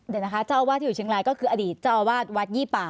เดี๋ยวนะคะเจ้าอาวาสที่อยู่เชียงรายก็คืออดีตเจ้าอาวาสวัดยี่ป่า